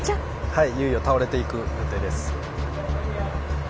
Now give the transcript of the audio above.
はいいよいよ倒れていく予定です。